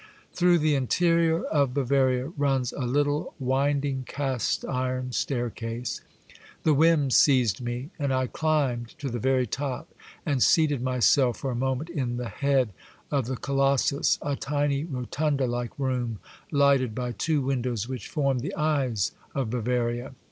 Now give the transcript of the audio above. Through the interior of Bavaria runs a little winding, cast iron staircase. The whim seized me, and I climbed to the very top and seated myself for a moment in the head of the colossus, a tiny rotunda like room, lighted by two windows which formed the eyes of Bavaria.